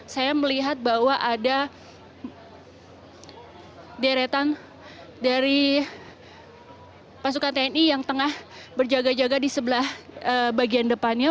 saya melihat bahwa ada deretan dari pasukan tni yang tengah berjaga jaga di sebelah bagian depannya